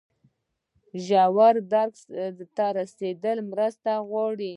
ژور درک ته رسیدل مرسته غواړي.